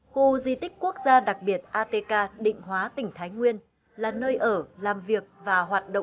khu di tích quốc gia đặc biệt atk định hóa tỉnh thái nguyên là nơi ở làm việc và hoạt động